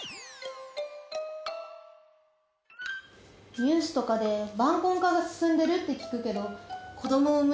ニュースとかで晩婚化が進んでるって聞くけど。